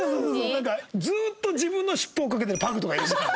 なんかずっと自分の尻尾追っかけてるパグとかいるじゃん。